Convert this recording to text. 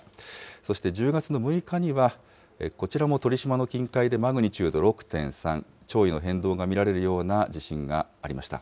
そして、１０月の６日には、こちらも鳥島の近海でマグニチュード６．３、潮位の変動が見られるような地震がありました。